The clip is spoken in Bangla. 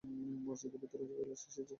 মসজিদের ভেতরে বলে সেই চিৎকার আদম শুনতে পাননি।